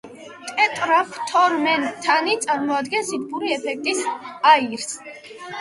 ტეტრაფთორმეთანი წარმოადგენს სითბური ეფექტის აირს.